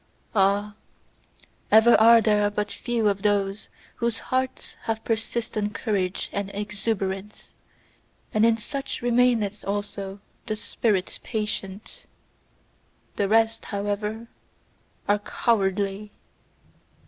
Ah! Ever are there but few of those whose hearts have persistent courage and exuberance; and in such remaineth also the spirit patient. The rest, however, are COWARDLY.